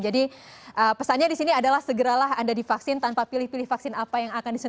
jadi pesannya di sini adalah segeralah anda divaksin tanpa pilih pilih vaksin apa yang akan anda pilih